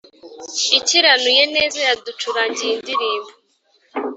ikiranuye neza. yaducurangiye indirimbo